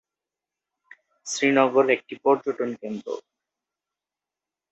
শ্রীনগর একটি পর্যটন কেন্দ্র।